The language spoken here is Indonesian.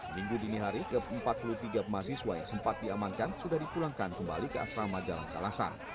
minggu dini hari ke empat puluh tiga mahasiswa yang sempat diamankan sudah dipulangkan kembali ke asrama jalan kalasan